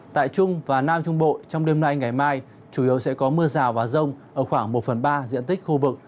tại trung và nam trung bộ trong đêm nay ngày mai chủ yếu sẽ có mưa rào và rông ở khoảng một phần ba diện tích khu vực